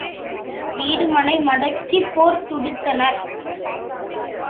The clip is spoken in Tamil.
வீடுமனை மடக்கிப் போர் தொடுத்தனர்.